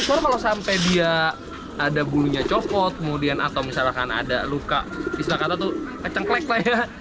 soalnya kalau sampai dia ada bulunya copot atau misalkan ada luka misalkan itu kecengklek lah ya